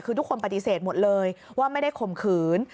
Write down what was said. คือทุกคนปฏิเสธหมดเลยว่าไม่ได้ข่มขืน